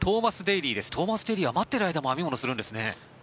トーマス・デーリーは待っている間も編み物するんですね。